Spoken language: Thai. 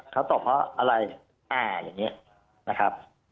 เขาตบเพราะอะไรอย่างนี้นะครับ